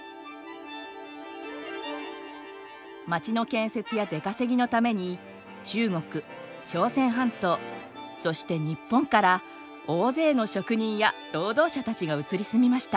街の建設や出稼ぎのために中国朝鮮半島そして日本から大勢の職人や労働者たちが移り住みました。